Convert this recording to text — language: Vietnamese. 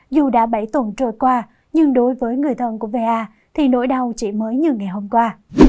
dù đã bảy tuần trôi qua nhưng đối với người thân của va thì nỗi đau chỉ mới như ngày hôm qua